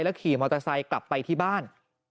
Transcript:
ขี่มอเตอร์ไซค์กลับไปที่บ้าน